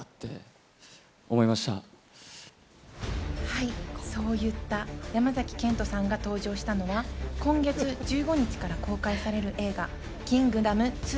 はい、そう言った山崎賢人さんが登場したのは、今月１５日から公開される映画『キングダム２